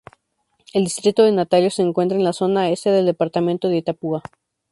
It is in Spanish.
El distrito de Natalio se encuentra en la zona este del departamento de Itapúa.